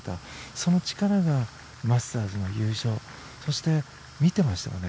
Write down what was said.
その力がマスターズの優勝そして、見ていましたよね